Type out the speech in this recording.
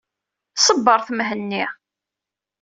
Ṣebbret Mhenni.